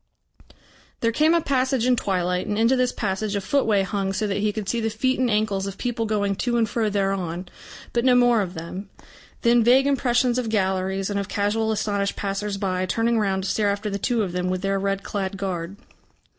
There came a passage in twilight, and into this passage a footway hung so that he could see the feet and ankles of people going to and fro thereon, but no more of them. Then vague impressions of galleries and of casual astonished passers by turning round to stare after the two of them with their red clad guard.